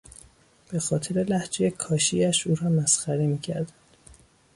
به خاطر لهجهی کاشی اش او را مسخره میکردند.